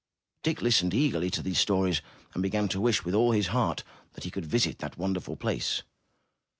Dick listened eagerly to these stories, and began to wish with all his heart that he could visit that wonderful place.